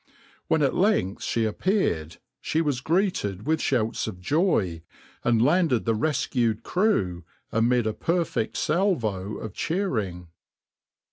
When at length she appeared, she was greeted with shouts of joy, and landed the rescued crew amid a perfect salvo of cheering.